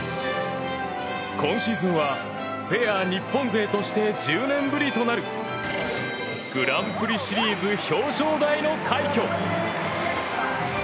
今シーズンはペア日本勢として１０年ぶりとなるグランプリシリーズ表彰台の快挙。